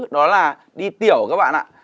đó là đi tiểu các bạn ạ